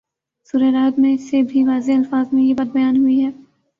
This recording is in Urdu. سورۂ رعد میں اس سے بھی واضح الفاظ میں یہ بات بیان ہوئی ہے